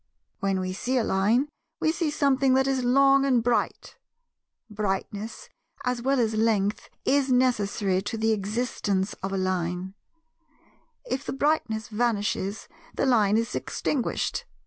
When we see a Line, we see something that is long and bright; brightness, as well as length, is necessary to the existence of a Line; if the brightness vanishes, the Line is extinguished.